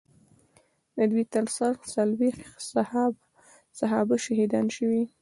د دوی ترڅنګ څلوېښت صحابه شهیدان شوي.